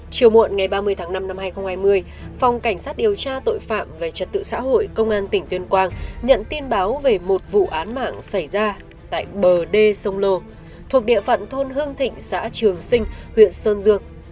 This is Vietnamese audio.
chiều muộn ngày ba mươi tháng năm năm hai nghìn hai mươi phòng cảnh sát điều tra tội phạm về trật tự xã hội công an tỉnh tuyên quang nhận tin báo về một vụ án mạng xảy ra tại bờ đê sông lô thuộc địa phận thôn hương thịnh xã trường sinh huyện sơn dương